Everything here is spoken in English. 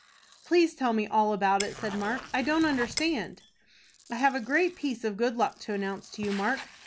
"Please tell me all about it," said Mark. "I don't understand." "I have a great piece of good luck to announce to you, Mark.